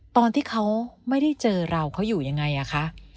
ตอนที่เขาไม่ได้เจอเราเขาอยู่ยังไงอะคะ